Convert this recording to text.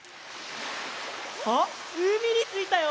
あっうみについたよ！